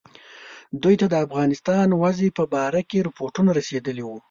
دوی ته د افغانستان وضع په باره کې رپوټونه رسېدل.